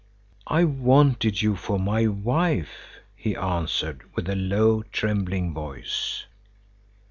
"I wanted you for my wife," he answered, with a low, trembling voice.